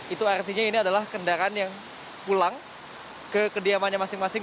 itu artinya ini adalah kendaraan yang pulang ke kediamannya masing masing